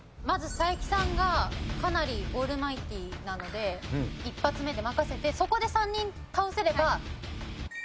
まず才木さんがかなりオールマイティーなので１発目で任せてそこで３人倒せれば。